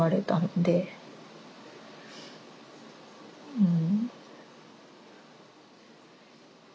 うん。